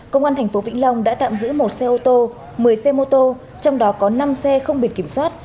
công an tp vĩnh long đã tạm giữ một xe ô tô một mươi xe mô tô trong đó có năm xe không biển kiểm soát